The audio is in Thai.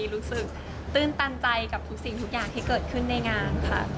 รู้สึกตื้นตันใจกับทุกสิ่งทุกอย่างที่เกิดขึ้นในงานค่ะ